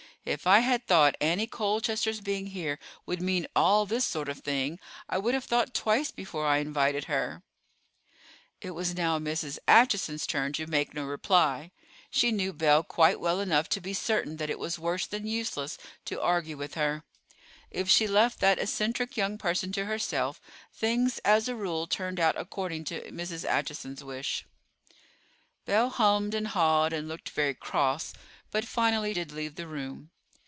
"If I had thought Annie Colchester's being here would mean all this sort of thing I would have thought twice before I invited her." It was now Mrs. Acheson's turn to make no reply. She knew Belle quite well enough to be certain that it was worse than useless to argue with her. If she left that eccentric young person to herself, things as a rule turned out according to Mrs. Acheson's wish. Belle hummed and hawed, and looked very cross, but finally did leave the room.